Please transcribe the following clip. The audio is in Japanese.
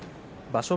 場所